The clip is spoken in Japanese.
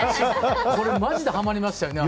マジではまりましたよね